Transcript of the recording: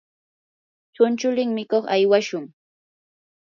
chunchulin mikuq aywashun.